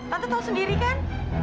tante tau sendiri kan